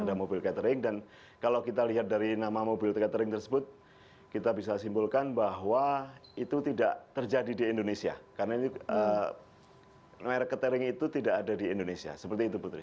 ada mobil catering dan kalau kita lihat dari nama mobil catering tersebut kita bisa simpulkan bahwa itu tidak terjadi di indonesia karena merek catering itu tidak ada di indonesia seperti itu putri